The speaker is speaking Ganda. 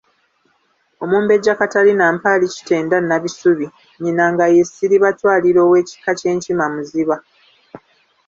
Omumbejja Katarina Mpaalikitenda Nabisubi, nnyina nga ye Siribatwalira ow'ekika ky'Enkima Muziba.